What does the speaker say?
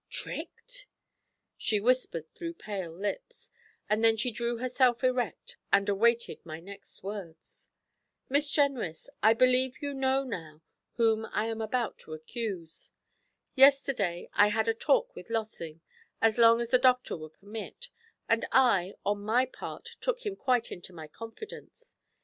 "' 'Tricked?' she whispered through pale lips, and then she drew herself erect, and awaited my next words. 'Miss Jenrys, I believe you know now whom I am about to accuse. Yesterday I had a talk with Lossing, as long as the doctor would permit, and I, on my part, took him quite into my confidence.